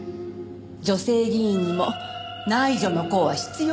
女性議員にも内助の功は必要よ。